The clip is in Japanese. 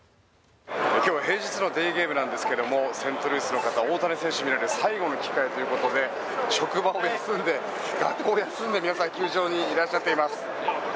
今日は平日のデーゲームなんですがセントルイスの方大谷選手が見られる最後の機会ということで職場を休んで、学校を休んで皆さん、球場に来ています。